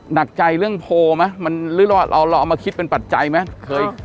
หนักใจเรื่องโพลไหมมันหรือว่าเราเอามาคิดเป็นปัจจัยไหม